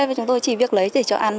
và chúng tôi chỉ việc lấy để cho ăn